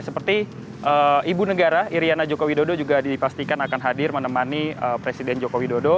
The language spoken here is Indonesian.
seperti ibu negara iriana jokowi dodo juga dipastikan akan hadir menemani presiden jokowi dodo